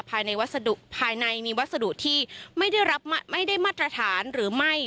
ภายในวัสดุภายในมีวัสดุที่ไม่ได้รับไม่ได้มาตรฐานหรือไม่